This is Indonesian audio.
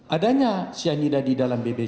adanya cyanida di dalam bb satu dan bb dua ini